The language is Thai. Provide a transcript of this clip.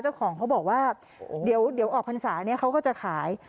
เจ้าของเขาบอกว่าเดี๋ยวออกพรรษาเนี่ยเขาก็จะขาย